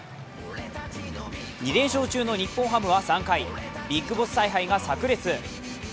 ２連勝中の日本ハムは３回、ＢＩＧＢＯＳＳ采配がさく裂。